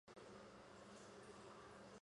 家庭成员有父母及胞弟郑民基。